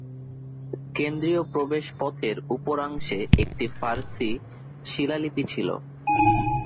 কেন্দ্রীয় প্রবেশ পথের উপরাংশে একটি ফারসি শিলালিপি ছিল।